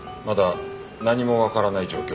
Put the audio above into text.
まだ何もわからないの？